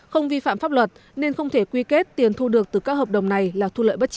không vi phạm pháp luật nên không thể quy kết tiền thu được từ các hợp đồng này là thu lợi bất chính